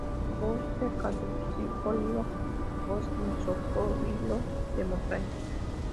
Bosque caducifolio, bosque mesófilo de montaña.